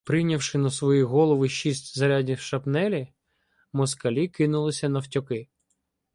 Прийнявши на свої голови шість зарядів шрапнелі, москалі кинулися навтьоки.